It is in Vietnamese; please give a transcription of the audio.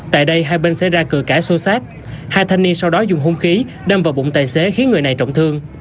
tại đây hai bên xe ra cửa cải sô sát hai thanh niên sau đó dùng hung khí đâm vào bụng tài xế khiến người này trọng thương